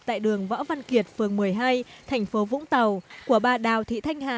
tại đường võ văn kiệt phường một mươi hai thành phố vũng tàu của bà đào thị thanh hà